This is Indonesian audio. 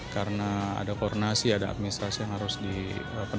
karena ada koordinasi ada administrasi yang harus diperlukan